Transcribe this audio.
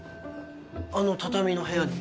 あの畳の部屋に？